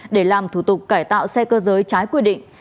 để làm thủ tục cải tạo xe cơ giới trái quy định